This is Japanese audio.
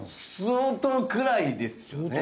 相当暗いですよね。